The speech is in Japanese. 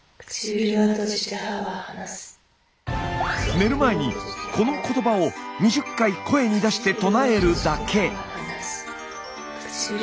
寝る前にこのことばを２０回声に出して唱えるだけ。